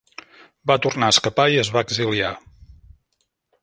Va tornar a escapar i es va exiliar.